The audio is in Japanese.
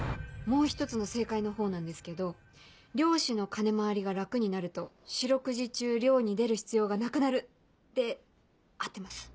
もう一つの正解のほうなんですけど漁師の金回りが楽になると四六時中漁に出る必要がなくなるで合ってます？